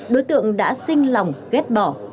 đối tượng đã xinh lòng ghét bỏ